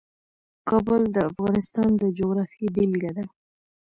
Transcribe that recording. کابل د افغانستان د جغرافیې بېلګه ده.